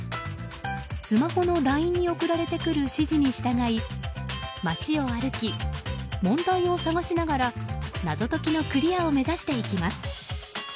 スマホのＬＩＮＥに送られてくる指示に従い街を歩き、問題を探しながら謎解きのクリアを目指していきます。